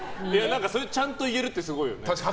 それをちゃんと言えるってすごいよね。